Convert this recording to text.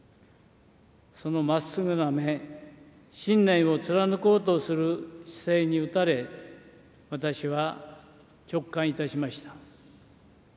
そのまっすぐな目、信念を貫こうとする姿勢に打たれ、私は直感いたしました。